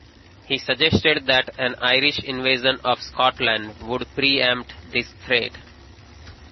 He suggested that an Irish invasion of Scotland would pre-empt this threat.